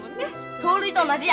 盗塁と同じや。